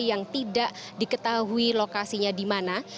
yang tidak diketahui lokasinya dimana